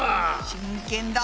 真剣だ！